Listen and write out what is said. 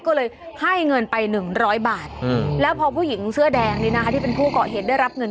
ก็เลยให้เงินไป๑๐๐บาทแล้วพอผู้หญิงเสื้อแดงนี้นะคะที่เป็นผู้เกาะเหตุได้รับเงิน